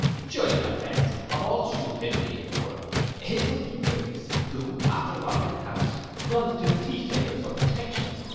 Surely, my Friends, of all stupidity in the world, his must be greatest, who, after robbing an house, runs to the thieftakers for protection.